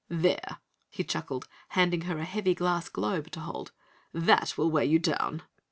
"There," he chuckled, handing her a heavy glass globe to hold, "that will weigh you down!"